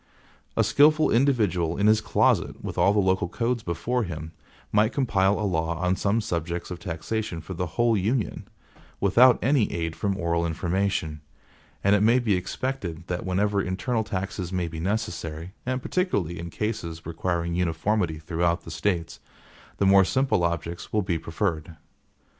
A skillful individual in his closet with all the local codes before him, might compile a law on some subjects of taxation for the whole union, without any aid from oral information, and it may be expected that whenever internal taxes may be necessary, and particularly in cases requiring uniformity throughout the States, the more simple objects will be preferred.